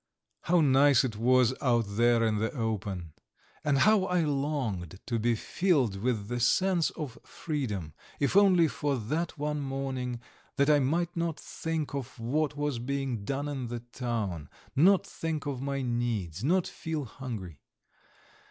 ... How nice it was out there in the open! And how I longed to be filled with the sense of freedom, if only for that one morning, that I might not think of what was being done in the town, not think of my needs, not feel hungry!